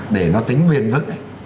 để nó tính nguyên vững ấy